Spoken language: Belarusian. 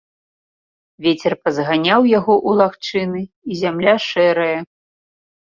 Вецер пазганяў яго ў лагчыны, і зямля шэрая.